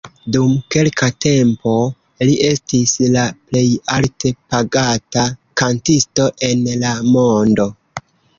Dum kelka tempo li estis la plej alte pagata kantisto en la mondo.